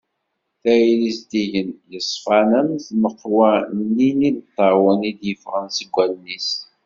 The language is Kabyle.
Tayri zeddigen, yeṣfan am tmeqwa-nni n yimeṭṭawen i d-yeffɣen seg wallen-is.